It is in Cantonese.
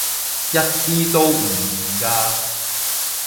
一啲都唔易㗎